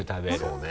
そうね。